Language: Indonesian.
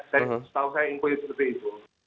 saya tahu saya info itu